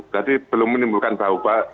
jadi belum menimbulkan bau